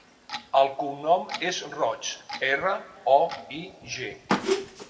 El cognom és Roig: erra, o, i, ge.